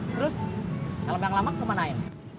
terus alam yang lama kemana ya